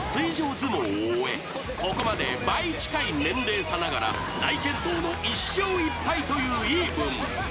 相撲を終えここまで倍近い年齢差ながら大健闘の１勝１敗というイーブン］